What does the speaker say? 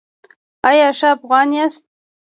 ایا ښه افغان یاست؟